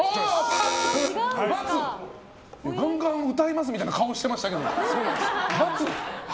ガンガン歌いますみたいな顔してましたけど×。